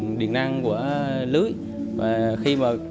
khi có mắc điện năng của lưới nó sẽ di tì được